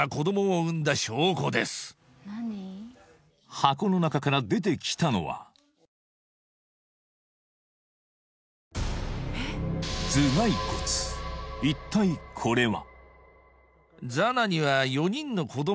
箱の中から出てきたのは一体これは？